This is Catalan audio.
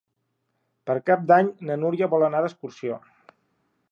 Per Cap d'Any na Núria vol anar d'excursió.